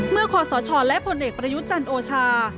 เมื่อคอสชและผลเอกประยุทธ์จันทร์โอชา